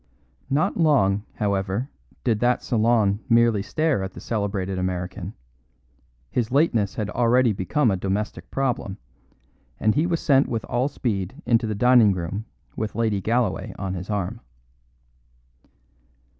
Not long, however, did that salon merely stare at the celebrated American; his lateness had already become a domestic problem, and he was sent with all speed into the dining room with Lady Galloway on his arm.